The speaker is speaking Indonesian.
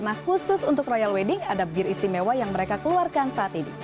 nah khusus untuk royal wedding ada bear istimewa yang mereka keluarkan saat ini